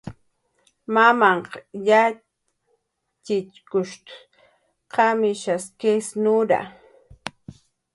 Mamanh yatxichkush qamish kis nurja.